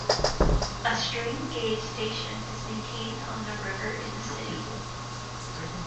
A stream gauge station is maintained on the river in the city.